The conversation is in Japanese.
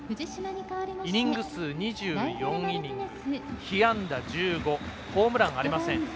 イニング数、２４イニング被安打１５ホームランありません。